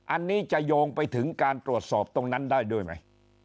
อันนี้จะโยงไปถึงการตรวจสอบตรงนั้นได้ด้วยไหม